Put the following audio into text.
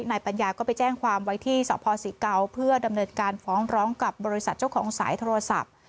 นายปัญญาก็ไปแจ้งความไว้ที่สภศรีเกาเพื่อดำเนินการฟ้องร้องกับบริษัทเจ้าของสายโทรศัพท์